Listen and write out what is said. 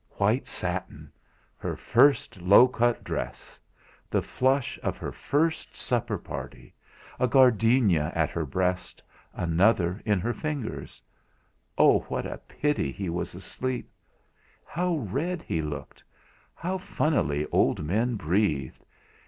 White satin her first low cut dress the flush of her first supper party a gardenia at her breast, another in her fingers! Oh! what a pity he was asleep! How red he looked! How funnily old men breathed!